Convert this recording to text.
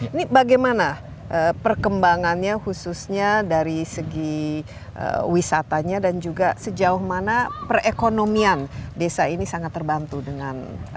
ini bagaimana perkembangannya khususnya dari segi wisatanya dan juga sejauh mana perekonomian desa ini sangat terbantu dengan